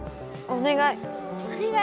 お願い！